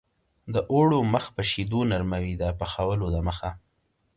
د اوړو مخ په شیدو نرموي د پخولو دمخه.